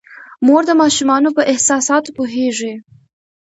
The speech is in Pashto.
مور د ماشومانو په احساساتو پوهیږي.